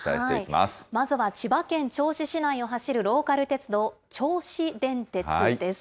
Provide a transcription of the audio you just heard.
まずは千葉県銚子市内を走るローカル鉄道、銚子電鉄です。